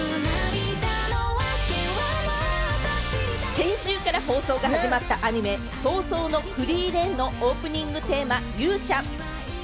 先週から放送が始まったアニメ『葬送のフリーレン』のオープニングテーマ『勇者』。